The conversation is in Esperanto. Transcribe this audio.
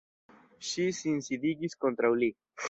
Ŝi sin sidigis kontraŭ li.